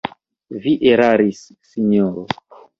Vi eraris, sinjoro!